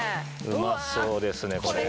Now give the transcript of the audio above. うまそうですねこれ。